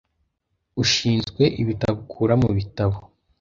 Ushinzwe ibitabo ukura mubitabo.